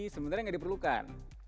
sebenarnya gak diperlukan